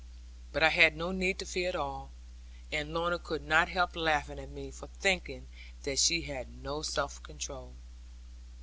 But I had no need to fear at all, and Lorna could not help laughing at me for thinking that she had no self control.